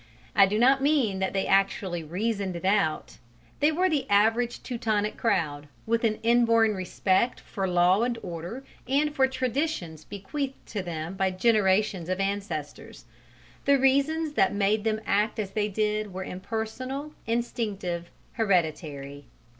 I do not mean that they actually reasoned it out: they were the average Teutonic crowd, with an inborn respect for law and order and for traditions bequeathed to them by generations of ancestors: the reasons that made them act as they did were impersonal, instinctive, hereditary.